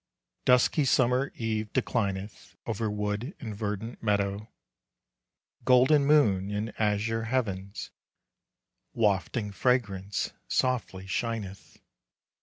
Dusky summer eve declineth Over wood and verdant meadow, Golden moon in azure heavens, Wafting fragrance, softly shineth.